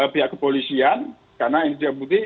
pihak kepolisian karena yang terbukti